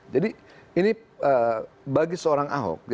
jadi ini bagi seorang ahok